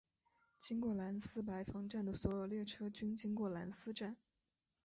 经过兰斯白房站的所有列车均经过兰斯站。